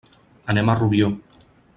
Anem a Rubió.